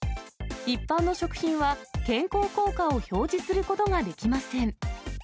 一般の食品は健康効果を表示することができません。